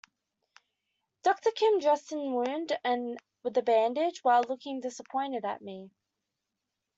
Doctor Kim dressed the wound with a bandage while looking disappointed at me.